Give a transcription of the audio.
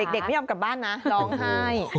เด็กไม่ยอมกลับบ้านนะร้องไห้